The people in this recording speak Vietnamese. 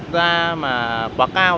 ra mà quá cao